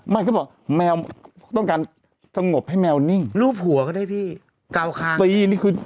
เขาบอกแมวต้องการสงบให้แมวนิ่งรูปหัวก็ได้พี่กาวคางตีนี่คือ